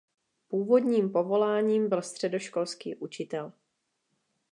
Původním povoláním byl středoškolský učitel.